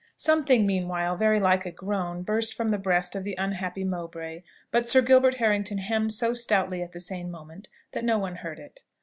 Something, meanwhile, very like a groan burst from the breast of the unhappy Mowbray; but Sir Gilbert Harrington hemmed so stoutly at the same moment, that no one heard it.